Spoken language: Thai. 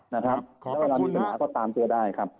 แล้วเวลามีปัญหาก็ตามตัวได้ครับ